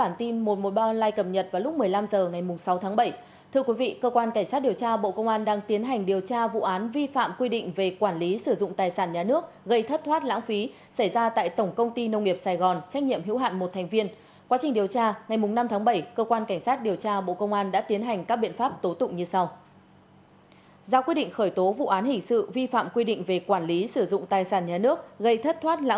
giáo quyết định khởi tố vụ án hình sự vi phạm quy định về quản lý sử dụng tài sản nhà nước gây thất thoát lãng phí xảy ra tại tổng công ty nông nghiệp sài gòn trách nhiệm hiểu hạn một thành viên quy định tại điều hai trăm một mươi chín bộ luật hình sự năm hai nghìn một mươi năm